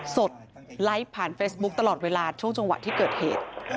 ดไลค์ผ่านเฟซบุ๊คตลอดเวลาช่วงจังหวะที่เกิดเหตุ